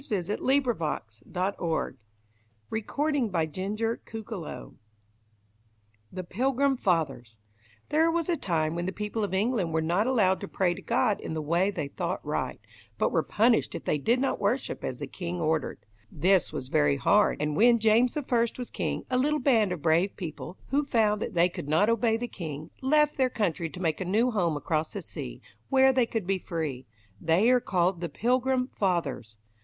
[Illustration: DEATH OF SIR RICHARD GRENVILLE°] =The Pilgrim Fathers= There was a time when the people of England were not allowed to pray to God in the way they thought right, but were punished if they did not worship as the king ordered. This was very hard, and when James I was king, a little band of brave people, who found that they could not obey the king, left their country to make a new home across the sea, where they could be free. They are called the "Pilgrim Fathers".